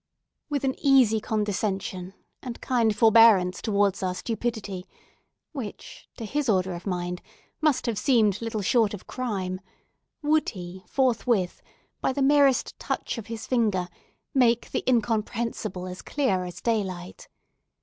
With an easy condescension, and kind forbearance towards our stupidity—which, to his order of mind, must have seemed little short of crime—would he forth with, by the merest touch of his finger, make the incomprehensible as clear as daylight.